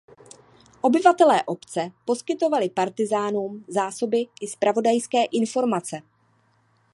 Obyvatelé obce poskytovali partyzánům zásoby i zpravodajské informace.